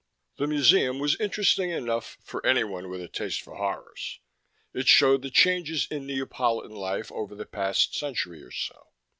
The museum was interesting enough, for anyone with a taste for horrors. It showed the changes in Neapolitan life over the past century or so.